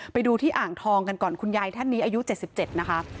ไปดูที่อ่างทองกันก่อนคุณยายท่านนี้อายุ๗๗นะคะ